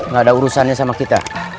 nggak ada urusannya sama kita